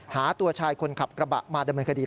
หาตัวชายคนขับกระบะมาดำเนินคดี